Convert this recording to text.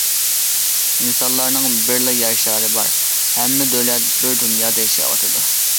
ئىنسانلارنىڭ بىرلا يەر شارى بار، ھەممە دۆلەت بىر دۇنيادا ياشاۋاتىدۇ.